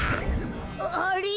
あれ？